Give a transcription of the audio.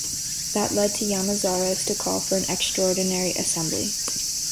That led to Llamazares to call for an Extraordinary Assembly.